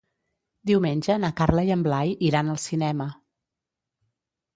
Diumenge na Carla i en Blai iran al cinema.